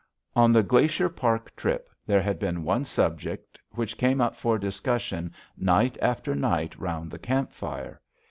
On the Glacier Park trip, there had been one subject which came up for discussion night after night round the camp fire.